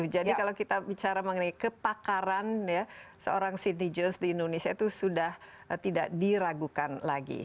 jadi kalau kita bicara mengenai kepakaran seorang sidney jones di indonesia itu sudah tidak diragukan lagi